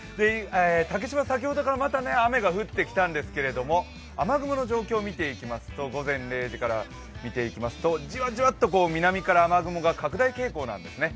竹芝、先ほどからまた雨が降ってきたんですけど雨雲の状況を午前０時から見ていきますと、じわじわっと南から雨雲が拡大傾向なんですね。